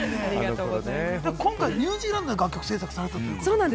今回、ニュージーランドで楽曲制作されたんですね。